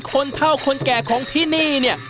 คนเท่าคนแก่ของที่นี่เนี่ย